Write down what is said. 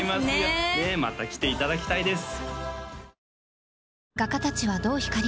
そうですねまた来ていただきたいです